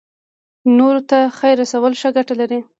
نورو ته خیر رسول څه ګټه لري؟